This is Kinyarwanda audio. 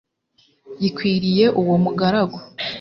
gikwiriye Uwo mugaragu